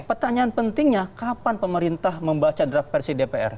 pertanyaan pentingnya kapan pemerintah membaca draft versi dpr